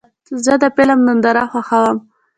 زه د فلم ننداره خوښوم.